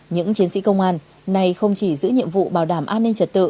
những chiến sĩ công an này không chỉ giữ nhiệm vụ bảo đảm an ninh